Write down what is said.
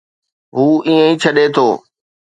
هو ائين ئي ڇڏي ٿو